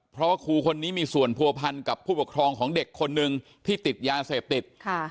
เพราะว่าครูคนนี้มีส่วนผัวพันกับผู้ปกครองของเด็กคนนึงที่ติดยาเสพติด